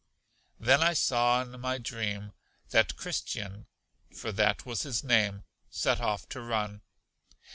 Then I saw in my dream that Christian for that was his name set off to run.